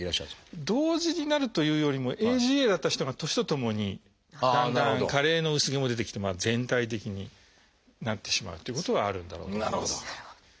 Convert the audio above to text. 同時になるというよりもＡＧＡだった人が年とともにだんだん加齢の薄毛も出てきて全体的になってしまうということはあるんだろうと思います。